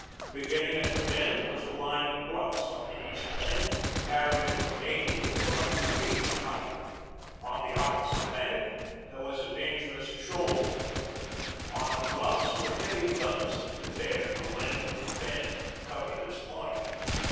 Beginning at the bend was a line of bluffs on the east bank, varying from eighty to a hundred feet in height. On the opposite bank there was a danger ous shoal point. On the bluffs were heavy guns that could bear the length of the bend and cover this point.